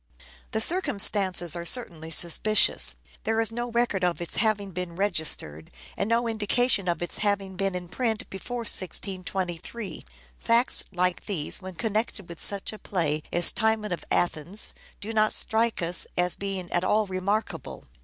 The circumstances are certainly suspicious. There is no record of its having been registered, and no indication of its having been in print before 1623. Facts like these, when connected with such a play as "Timon of Athens," do not strike us as being at all remark able.